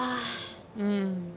うん。